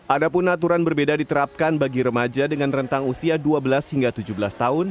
adapun aturan berbeda diterapkan bagi remaja dengan rentang usia dua belas hingga tujuh belas tahun